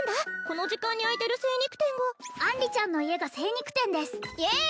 この時間に開いてる精肉店が杏里ちゃんの家が精肉店ですイエーイ！